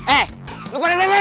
eh lo pada dengerin semua